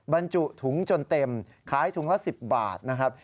บรรจุถุงจนเต็มขายถุงละ๑๐บาทนะครับ